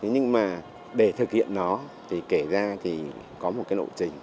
nhưng mà để thực hiện nó thì kể ra thì có một cái lộ trình